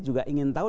juga ingin tahu